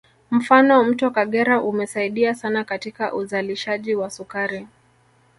Mfano mto Kagera umesaidia sana katika uzalishaji wa sukari